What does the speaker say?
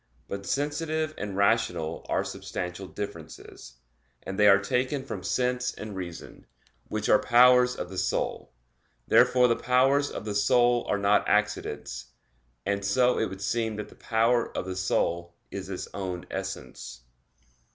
But sensitive and rational are substantial differences; and they are taken from sense and reason, which are powers of the soul. Therefore the powers of the soul are not accidents; and so it would seem that the power of the soul is its own essence.